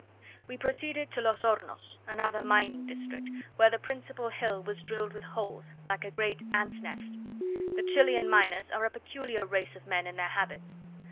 We proceeded to Los Hornos, another mining district, where the principal hill was drilled with holes, like a great ants' nest. The Chilian miners are a peculiar race of men in their habits.